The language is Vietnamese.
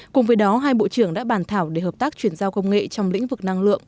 cùng với đó hai bộ trưởng đã bàn thảo để hợp tác chuyển giao công nghệ trong lĩnh vực năng lượng